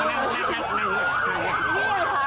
นั่งด้วยนั่งด้วย